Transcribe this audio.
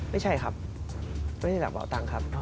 ไม่ใช่ครับไม่ใช่จากเป่าตั้งครับ